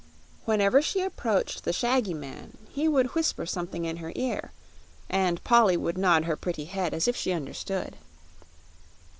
Whenever she approached the shaggy man he would whisper something in her ear, and Polly would nod her pretty head as if she understood.